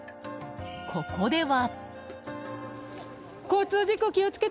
ここでは。